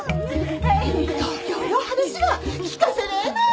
東京の話ば聞かせれなぁ。